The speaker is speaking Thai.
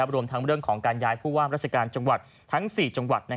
รวมทั้งเรื่องของการย้ายผู้ว่ามราชการจังหวัดทั้ง๔จังหวัด